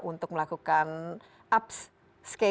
untuk melakukan upscaling dan juga untuk melakukan